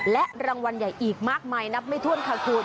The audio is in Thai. และรางวัลใหญ่อีกมากมายนับไม่ถ้วนค่ะคุณ